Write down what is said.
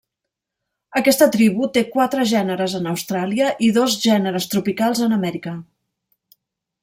Aquesta tribu té quatre gèneres en Austràlia i dos gèneres tropicals en Amèrica.